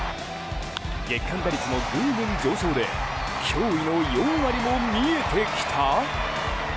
月間打率もぐんぐん上昇で驚異の４割も見えてきた？